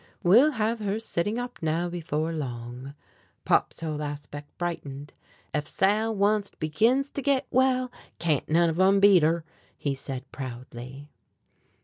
"We'll have her sitting up now before long." Pop's whole aspect brightened. "Ef Sal onct begins to git well, can't none of 'em beat her," he said proudly.